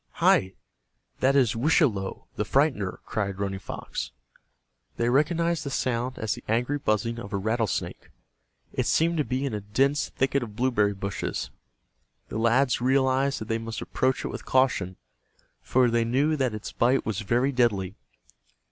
"Hi, that is Wischalowe, the Frightener," cried Running Fox. They recognized the sound as the angry buzzing of a rattlesnake. It seemed to be in a dense thicket of blueberry bushes, The lads realized that they must approach it with caution, for they knew that its bite was very deadly.